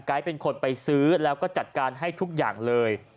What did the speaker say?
เป็นคนไปซื้อแล้วก็จัดการให้ทุกอย่างเลย